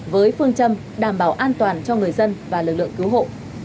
với phương châm đảm bảo an toàn cho người dân và lực lượng cứu hộ